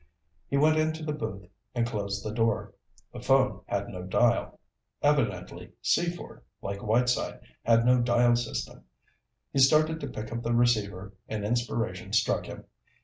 He went into the booth and closed the door. The phone had no dial. Evidently Seaford, like Whiteside, had no dial system. He started to pick up the receiver and inspiration struck him.